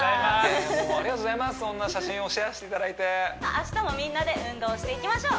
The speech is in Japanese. そんな写真をシェアしていただいて明日もみんなで運動していきましょう